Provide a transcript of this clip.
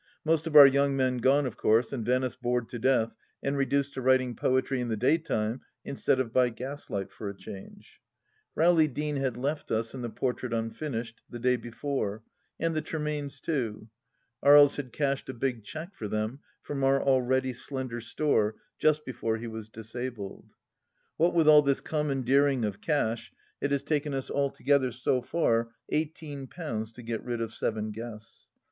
Most of our young men gone, of course, and Venice bored to death, and reduced to writing poetry in the daytime instead of by gaslight for a change. Rowley Deane had left us and the portrait unfinished, the day before, and the Tremaines too. Aries had cashed a big cheque for them from our already slender store, just before he was disabled. What with all this commandeering of cash, it has taken us altogether, so far, eighteen pounds to get rid of seven guests.